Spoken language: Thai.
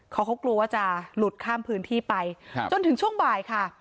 เขาเขากลัวว่าจะหลุดข้ามพื้นที่ไปจนถึงช่วงบ่ายค่ะ